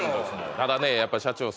ただねやっぱ社長